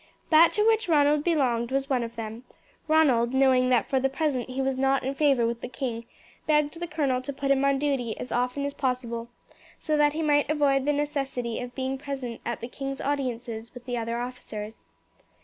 That to which Ronald belonged was one of them. Ronald, knowing that for the present he was not in favour with the king, begged the colonel to put him on duty as often as possible, so that he might avoid the necessity of being present at the king's audiences with the other officers.